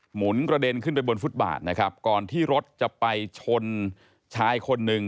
หุนกระเด็นขึ้นไปบนฟุตบาทนะครับก่อนที่รถจะไปชนชายคนหนึ่ง